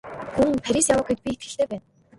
Гүн Парис яваагүйд би итгэлтэй байна.